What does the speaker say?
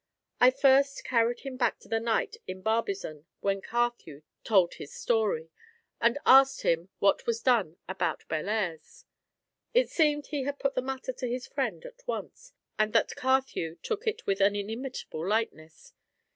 I first carried him back to the night in Barbizon when Carthew told his story, and asked him what was done about Bellairs. It seemed he had put the matter to his friend at once, and that Carthew took it with an inimitable lightness.